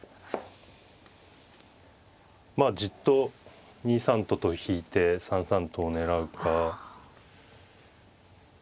まあじっと２三とと引いて３三とを狙うか。